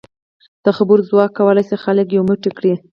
د خبرو ځواک کولای شي خلک یو موټی کړي.